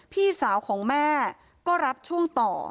พี่สาวของแม่ก็รับช่วงต่อ